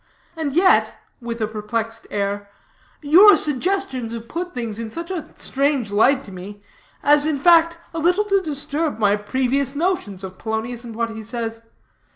And yet," with a perplexed air, "your suggestions have put things in such a strange light to me as in fact a little to disturb my previous notions of Polonius and what he says.